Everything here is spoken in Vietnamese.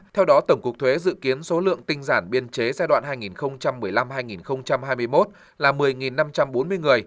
theo đó tổng cục thuế dự kiến số lượng tinh giản biên chế giai đoạn hai nghìn một mươi năm hai nghìn hai mươi một là một mươi năm trăm bốn mươi người